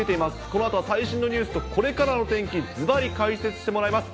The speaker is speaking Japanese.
このあとは最新のニュースと、これからの天気、ずばり解説してもらいます。